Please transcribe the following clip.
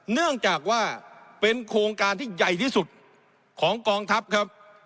เนื่องจากว่าเป็นโครงการที่ใหญ่ที่สุดของกองทัพครับ